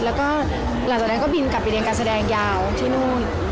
แล้วก็หลังจากนั้นก็บินกลับไปเรียนการแสดงยาวที่นู่น